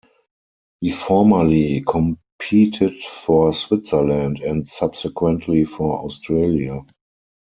He formerly competed for Switzerland, and subsequently for Australia.